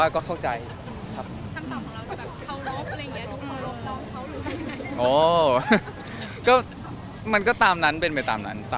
ก็ได้คุยแต่ก็เข้าใจ